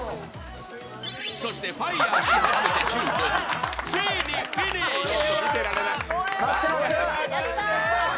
そして、ファイヤーし始めて１５分、ついにフィニッシュ！